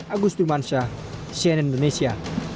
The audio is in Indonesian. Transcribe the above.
agus tumansyah cnn indonesia